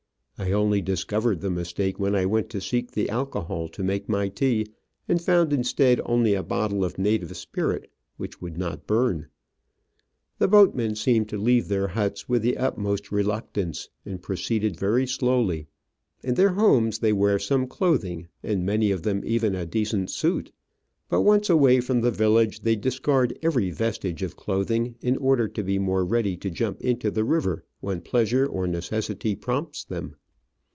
I only discovered the mistake when I went to seek the alcohol to make my tea and found instead only a bottle of native spirit which would not burn. The boatmen seemed to leave their huts with the utmost reluctance, and proceeded very slowly. In their homes they wear some clothing, and many of them even a decent suit ; but once away from the village, they discard every vestige of clothing, in order to be more ready to jump into the water when pleasure or necessity prompts them.